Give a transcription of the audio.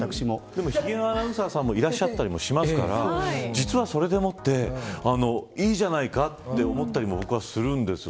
でも、ひげのアナウンサーさんもいらっしゃったりしますから実はそれでもっていいじゃないかと思ったりも僕はするんです。